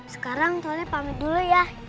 sekarang tuhannya pamit dulu ya